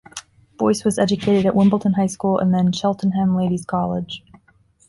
Boyce was educated at Wimbledon High School and then Cheltenham Ladies' College.